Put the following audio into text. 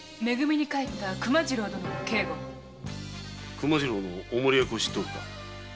熊次郎のお守役を知っておるか？